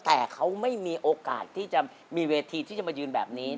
แต่เขาไม่มีโอกาสที่จะมีเวทีที่จะมายืนแบบนี้